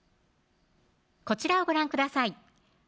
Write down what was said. こちらをご覧ください